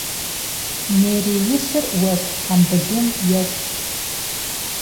Нереисыр уэшх хьэмбылум ещхьщ.